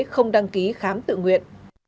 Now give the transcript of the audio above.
không đăng ký khám tự nguyện